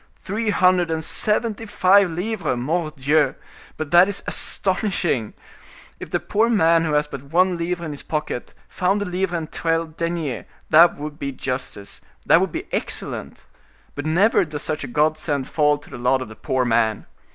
Three hundred and seventy five livres! Mordioux! but that is astonishing! If the poor man who has but one livre in his pocket, found a livre and twelve deniers, that would be justice, that would be excellent; but never does such a godsend fall to the lot of the poor man.